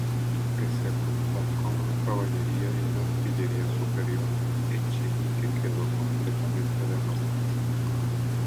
Pese a contar con una caballería y una artillería superior, Echenique quedó completamente derrotado.